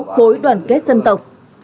khối đoàn kết dân tộc